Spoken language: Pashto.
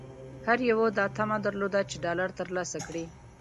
هر یوه دا طمعه درلوده چې ډالر ترلاسه کړي.